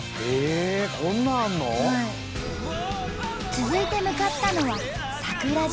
続いて向かったのは桜島。